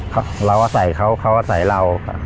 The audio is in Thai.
เขาอาศัยเขาเขาอาศัยเราค่ะ